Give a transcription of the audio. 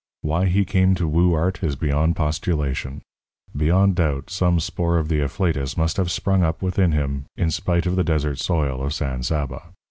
Why he came to woo art is beyond postulation. Beyond doubt, some spore of the afflatus must have sprung up within him in spite of the desert soil of San Saba.